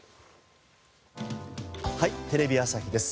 『はい！テレビ朝日です』